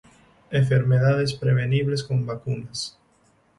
enfermedades prevenibles con vacunas